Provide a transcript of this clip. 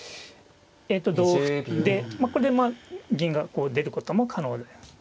えと同歩でこれでまあ銀がこう出ることも可能です。